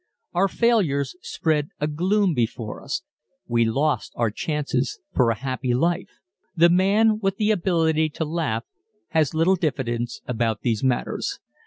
Our failures spread a gloom before us. We lost our chances for a happy life! The man with the ability to laugh has little diffidence about these matters.